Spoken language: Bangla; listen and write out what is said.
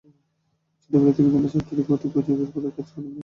ছোটবেলা থেকে বিভিন্ন সফটওয়্যারে ত্রুটি খুঁজে বের করার কাজ করেন তিনি।